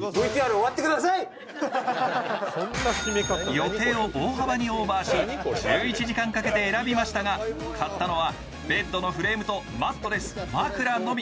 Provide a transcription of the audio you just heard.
予定を大幅にオーバーし、１１時間かけて選びましたが、買ったのはベッドのフレームとマットレス、枕のみ。